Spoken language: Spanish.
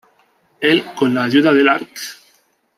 Él con la ayuda del Arq.